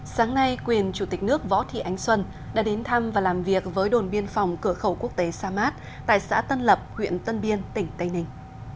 sáng nay quyền chủ tịch nước võ thị ánh xuân đã đến thăm và làm việc với đồn biên phòng cửa khẩu quốc tế sa mát tại xã tân lập huyện tân biên tỉnh tây ninh